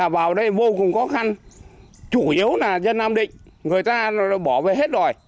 vào đây vô cùng khó khăn chủ yếu là dân nam định người ta bỏ về hết rồi